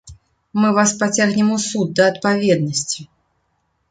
Мы вас пацягнем у суд да адпаведнасці.